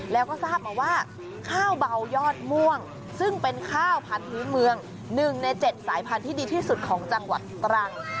แล้วก็ทราบมาว่าข้าวเบายอดม่วงซึ่งเป็นข้าวผัดพื้นเมือง๑ใน๗สายพันธุ์ที่ดีที่สุดของจังหวัดตรัง